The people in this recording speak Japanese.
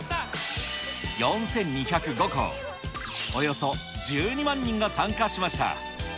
４２０５校、およそ１２万人が参加しました。